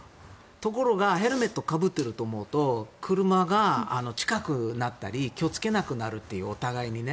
ところがヘルメットをかぶっていると思うと車が近くなったり気をつけなくなるっていうお互いにね。